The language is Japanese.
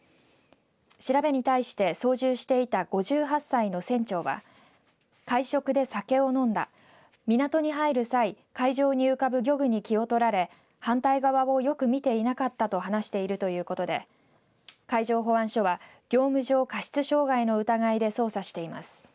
調べに対して操縦していた５８歳の船長は会食で酒を飲んだ港に入る際海上に浮かぶ漁具に気を取られ反対側をよく見ていなかったと話しているということで海上保安署は業務上過失傷害の疑いで捜査しています。